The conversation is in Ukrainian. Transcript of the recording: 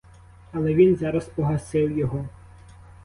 Але він зараз погасив його.